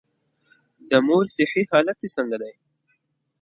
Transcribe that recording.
د مور صحي حالت دي څنګه دی؟